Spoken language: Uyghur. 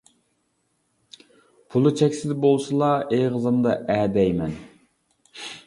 پۇلى چەكسىز بولسىلا، ئېغىزىمدا ئە دەيمەن.